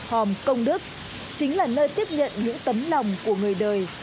hòm công đức chính là nơi tiếp nhận những tấm lòng của người đời